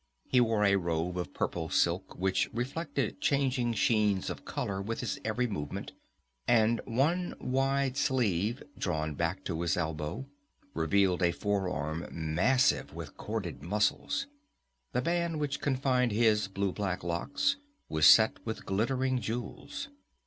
He wore a robe of purple silk which reflected changing sheens of color with his every movement, and one wide sleeve, drawn back to his elbow, revealed a forearm massive with corded muscles. The band which confined his blue black locks was set with glittering jewels.